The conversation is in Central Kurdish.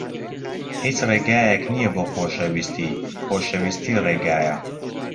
هیچ ڕێگایەک نییە بۆ خۆشەویستی. خۆشەویستی ڕێگایە.